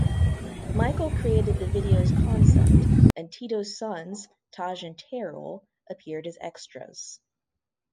Michael created the video's concept, and Tito's sons Taj and Taryll appeared as extras.